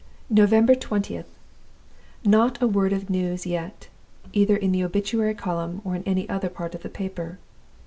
"November 20th. Not a word of news yet, either in the obituary column or in any other part of the paper.